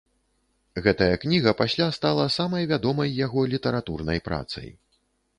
Гэтая кніга пасля стала самай вядомай яго літаратурнай працай.